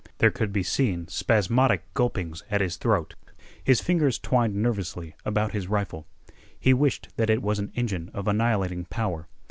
There could be seen spasmodic gulpings at his throat. His fingers twined nervously about his rifle. He wished that it was an engine of annihilating power.